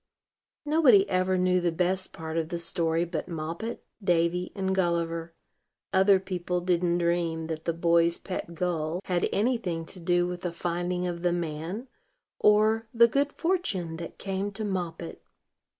Nobody ever knew the best part of the story but Moppet, Davy, and Gulliver. Other people didn't dream that the boy's pet gull had any thing to do with the finding of the man, or the good fortune that came to Moppet.